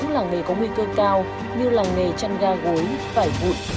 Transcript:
làng mộc làng giấy